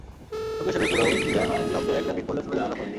সঙ্গে সঙ্গে পুরা ইডেন স্তব্ধ, একটা পিন পড়লেও শোনা যেত তখন।